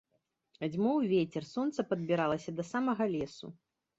Дзьмуў вецер, сонца падбіралася да самага лесу.